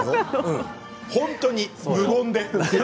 本当に無言で。